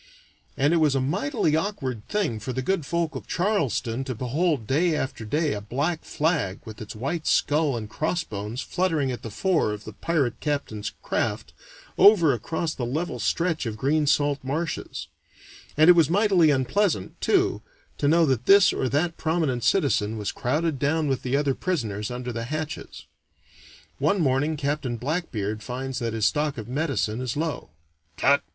And it was a mightily awkward thing for the good folk of Charleston to behold day after day a black flag with its white skull and crossbones fluttering at the fore of the pirate captain's craft, over across the level stretch of green salt marshes; and it was mightily unpleasant, too, to know that this or that prominent citizen was crowded down with the other prisoners under the hatches. One morning Captain Blackbeard finds that his stock of medicine is low. "Tut!"